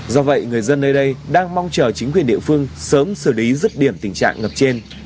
do vậy người dân nơi đây đang mong chờ chính quyền địa phương sớm xử lý rứt điểm tình trạng ngập trên